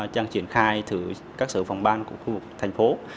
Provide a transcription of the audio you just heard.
đang triển khai thử các sở phòng ban của khu vực thành phố